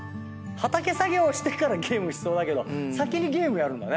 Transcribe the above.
畑作業してからゲームしそうだけど先にゲームやるんだね。